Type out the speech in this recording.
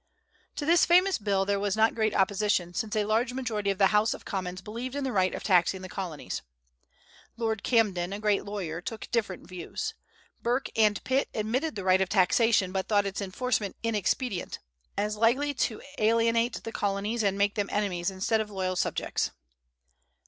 To this famous bill there was not great opposition, since a large majority of the House of Commons believed in the right of taxing the Colonies. Lord Camden, a great lawyer, took different views. Burke and Pitt admitted the right of taxation, but thought its enforcement inexpedient, as likely to alienate the Colonies and make them enemies instead of loyal subjects.